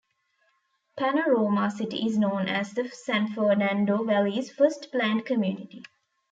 Panorama City is known as the San Fernando Valley's first planned community.